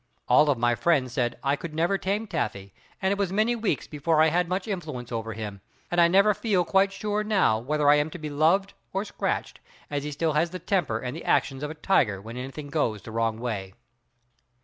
All of my friends said I never could tame Taffy and it was many weeks before I had much influence over him, and I never feel quite sure now whether I am to be loved or scratched, as he still has the temper and the actions of a tiger when anything goes the wrong way.